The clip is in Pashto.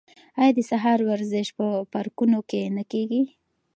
آیا د سهار ورزش په پارکونو کې نه کیږي؟